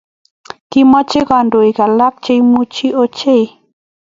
Kimache kandoik alak che machuu ochei